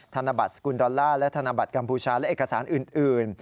ธนบัตรสกุลดอลลาร์และธนบัตรกัมพูชาและเอกสารอื่น